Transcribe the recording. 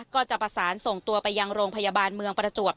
ก็จะประสานส่งตัวไปยังโรงพยาบาลเมืองประจวบ